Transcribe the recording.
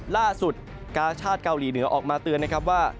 ล่าสุดกาชาติเกาหลีเหนือออกมาเตือนว่า